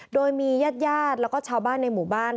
โดยมีญาติญาติแล้วก็ชาวบ้านในหมู่บ้าน